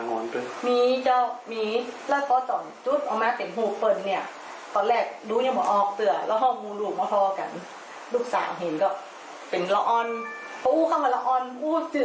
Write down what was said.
การมูกรัมและกรมที่บนเป็นคนตังคุณทางใต้